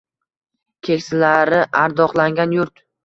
Keksalari ardoqlangan yurt